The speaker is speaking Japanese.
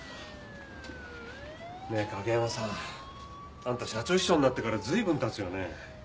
ねえ景山さんあんた社長秘書になってから随分経つよね？